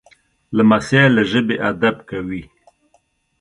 لمسی له ژبې ادب کوي.